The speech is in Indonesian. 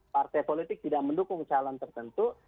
partai politik tidak mendukung calon tertentu